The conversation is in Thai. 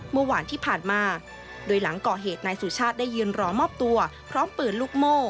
เมื่อวานที่ผ่านมาโดยหลังก่อเหตุนายสุชาติได้ยืนรอมอบตัวพร้อมปืนลูกโม่